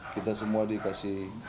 kita semua dikasih